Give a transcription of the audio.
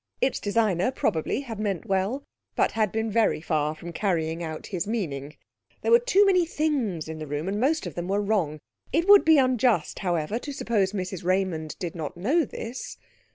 Its designer, probably, had meant well, but had been very far from carrying out his meaning. There were too many things in the room, and most of them were wrong. It would be unjust, however, to suppose Mrs Raymond did not know this.